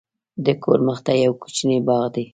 د کور مخته یو کوچنی باغ دی.